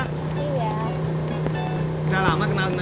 nggak lama kenal nek nek